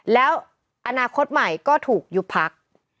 แล้วอนาคตใหม่ก็ถูกยุบพัก